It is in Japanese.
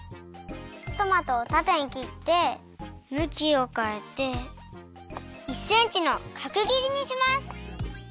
トマトをたてに切ってむきをかえて１センチのかく切りにします。